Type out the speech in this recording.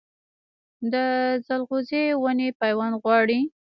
د ځنغوزي ونې پیوند غواړي؟